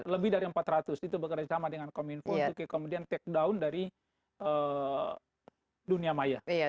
lebih dari empat ratus itu bekerja sama dengan kominfo untuk kemudian takedown dari dunia maya